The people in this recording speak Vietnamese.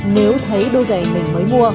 nếu thấy đôi giày mình mới mua